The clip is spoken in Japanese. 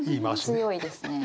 強いですね。